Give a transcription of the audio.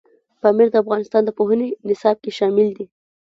پامیر د افغانستان د پوهنې نصاب کې شامل دي.